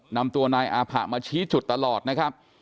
นำตัวนายอาผะมาชี้จุดตลอดนะครับ